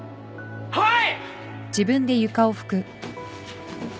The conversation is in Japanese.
はい！